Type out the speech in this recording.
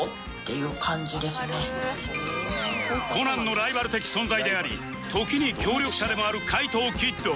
コナンのライバル的存在であり時に協力者でもある怪盗キッド